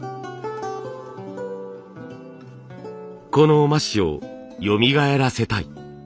この麻紙をよみがえらせたい。